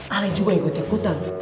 ale juga ikut ikutan